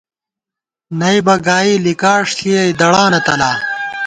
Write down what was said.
نئیبہ گائی لِکاݭ ݪِیَئی دڑانہ تلا